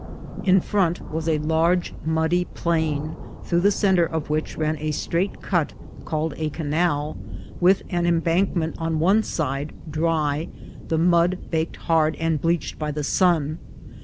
In front was a large muddy plain, through the centre of \\hich ran a straight cut called a canal, with an embankment on one side dry, the mud baked hard and bleached by the sun.